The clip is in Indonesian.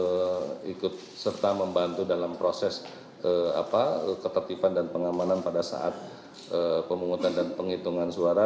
untuk ikut serta membantu dalam proses ketertiban dan pengamanan pada saat pemungutan dan penghitungan suara